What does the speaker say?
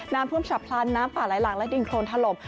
น้ำท่วมฉับพลันน้ำป่าไหลหลากและดินโครนถล่ม